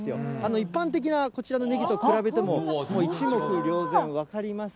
一般的なこちらのねぎと比べても、一目りょう然、分かります？